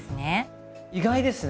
意外ですね！